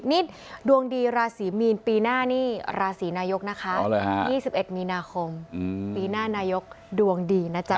ดวงดีราศีมีนปีหน้านี่ราศีนายกนะคะ๒๑มีนาคมปีหน้านายกดวงดีนะจ๊ะ